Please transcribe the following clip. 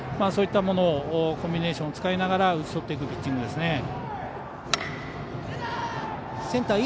そういったものをコンビネーション、使いながら打ち取っていくピッチングですね。